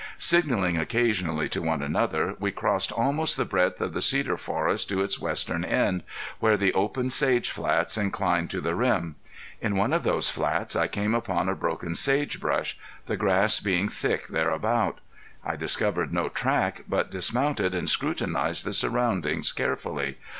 Signalling occasionally to one another we crossed almost the breadth of the cedar forest to its western end, where the open sage flats inclined to the rim. In one of those flats I came upon a broken sage bush, the grass being thick thereabout. I discovered no track but dismounted and scrutinized the surroundings carefully.